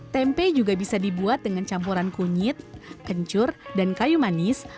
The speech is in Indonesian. tempe juga bisa dibuat dengan campuran kunyit kencur dan kayu manis